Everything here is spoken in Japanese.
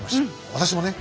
私もね